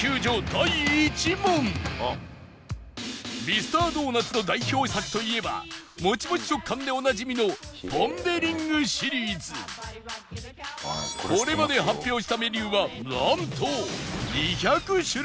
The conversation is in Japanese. ミスタードーナツの代表作といえばモチモチ食感でおなじみのこれまで発表したメニューはなんと２００種類以上！